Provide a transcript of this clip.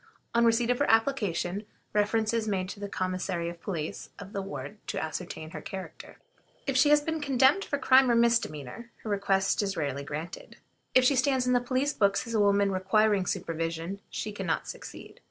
On receipt of her application, reference is made to the Commissary of Police of the ward to ascertain her character. If she has been condemned for crime or misdemeanor, her request is rarely granted. If she stands in the police books as a woman requiring supervision, she can not succeed.